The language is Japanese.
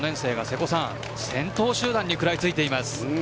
先頭集団に食らいついています。